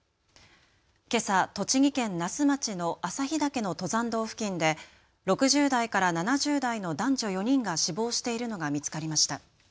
けさ栃木県那須町の朝日岳の登山道付近で６０代から７０代の男女４人が死亡しているのが見つかりました。